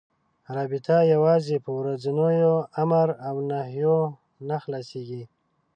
رابطه یوازې په ورځنيو امر و نهيو نه خلاصه کېږي.